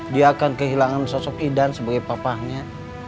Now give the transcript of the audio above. dia akan kehilangan sosok idan sebagai papahnya